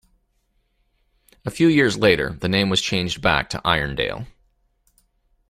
A few years later the name was changed back to Irondale.